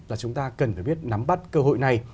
là chúng ta cần phải biết nắm bắt cơ hội này